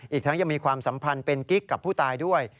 อีกทั้งยังมีความสัมพันธ์เป็นกิ๊กกับผู้ตายด้วย